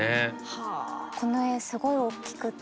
この絵すごい大きくって。